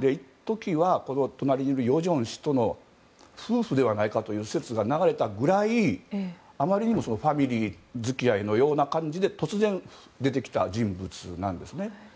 一時は隣にいる与正氏と夫婦ではないかという説が流れたぐらいあまりにもファミリー付き合いのような形で突然出てきた人物なんです。